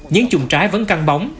những chuồng trái vẫn căng bóng